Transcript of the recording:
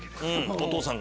お父さんが。